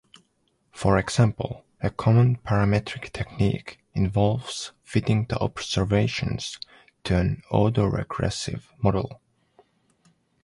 For example, a common parametric technique involves fitting the observations to an autoregressive model.